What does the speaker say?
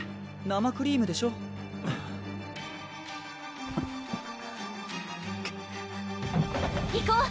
生クリームでしょ行こう！